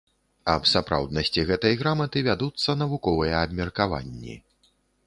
Аб сапраўднасці гэтай граматы вядуцца навуковыя абмеркаванні.